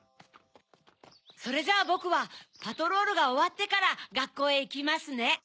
それじゃあボクはパトロールがおわってからがっこうへいきますね。